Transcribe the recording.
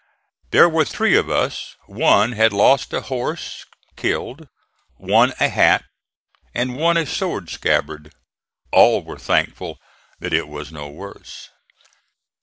There were three of us: one had lost a horse, killed; one a hat and one a sword scabbard. All were thankful that it was no worse.